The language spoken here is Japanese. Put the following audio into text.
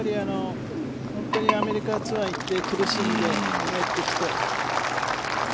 アメリカツアーに行って苦しんで帰ってきて。